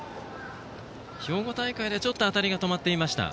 兵庫大会では、ちょっと当たりが止まっていました。